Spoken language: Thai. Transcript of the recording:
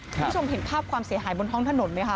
คุณผู้ชมเห็นภาพความเสียหายบนท้องถนนไหมคะ